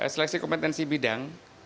seleksi kompetensi bidang